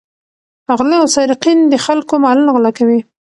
غله او سارقین د خلکو مالونه غلا کوي.